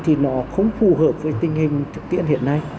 thì nó không phù hợp với tình hình thực tiễn hiện nay